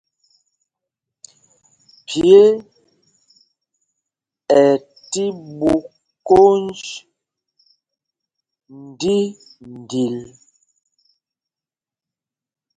Pye ɛ tí ɓu kwōnj ndīndil.